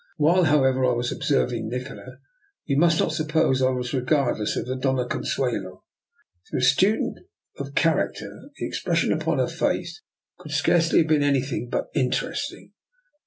While, however, I was observing Nikola, you must not suppose I was regardless of the Dofia Consuelo. To a student of character, the expression upon her face could scarcely have been anything but interesting.